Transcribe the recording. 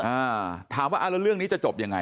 อย่าถามว่าเรื่องนี้จะจบยังไง